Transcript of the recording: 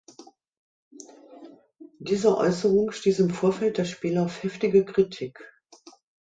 Diese Äußerung stieß im Vorfeld der Spiele auf heftige Kritik.